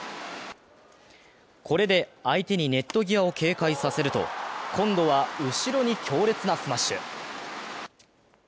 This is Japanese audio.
これで相手にネット際を警戒させると今度は後ろに強烈なスマッシュ。